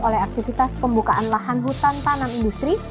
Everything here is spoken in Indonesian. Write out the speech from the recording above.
oleh aktivitas pembukaan lahan hutan tanam industri